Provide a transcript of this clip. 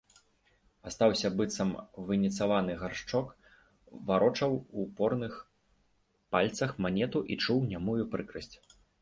Астаўся быццам выніцаваны Гаршчок, варочаў у порных пальцах манету і чуў нямую прыкрасць.